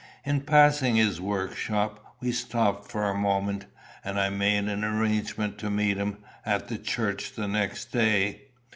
In passing his workshop, we stopped for a moment, and I made an arrangement to meet him at the church the next day.